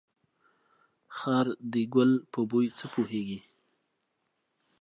خر ده ګل په بوی څه پوهيږي.